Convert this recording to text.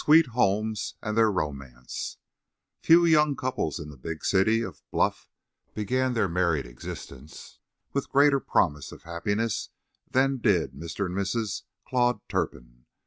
XI SUITE HOMES AND THEIR ROMANCE Few young couples in the Big City of Bluff began their married existence with greater promise of happiness than did Mr. and Mrs. Claude Turpin.